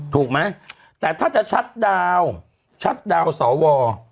ถูกไหมแต่ถ้าจะชัดดาวชัดดาวสว